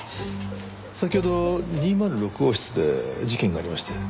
先ほど２０６号室で事件がありまして。